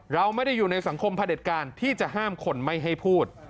เราไม่ได้อยู่ในสังคมพระเด็จการที่จะห้ามคนไม่ให้พูด